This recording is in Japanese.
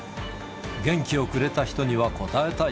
元気をくれた人には応えたい。